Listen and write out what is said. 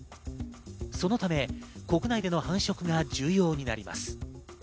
そのため、国内での繁殖が重要になります。